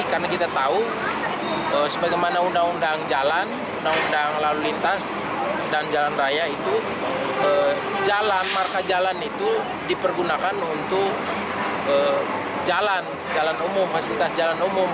karena kita tahu sebagaimana undang undang jalan undang undang lalu lintas dan jalan raya itu jalan marka jalan itu dipergunakan untuk jalan jalan umum fasilitas jalan umum